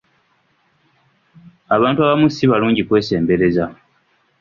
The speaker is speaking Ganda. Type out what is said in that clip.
Abantu abamu si balungi kwesembereza.